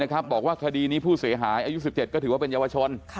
บอกว่าคดีนี้ผู้เสียหายอายุ๑๗ก็ถือว่าเป็นเยาวชน